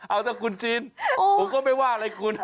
เอาถ้าคุณชินผมก็ไม่ว่าอะไรคุณ